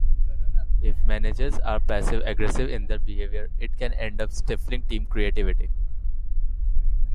If managers are passive-aggressive in their behavior, it can end up stifling team creativity.